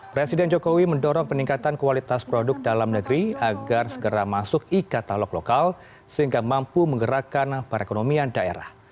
presiden jokowi mendorong peningkatan kualitas produk dalam negeri agar segera masuk e katalog lokal sehingga mampu menggerakkan perekonomian daerah